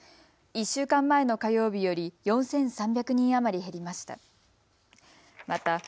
１週間前の火曜日より４３００人余り減りました。